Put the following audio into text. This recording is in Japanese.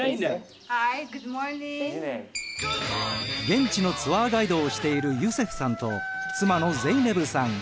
現地のツアーガイドをしているユセフさんと妻のゼイネブさん。